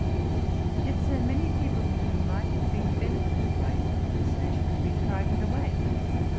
Yet, Sir, many people who might have been benefited by your conversation, have been frightened away.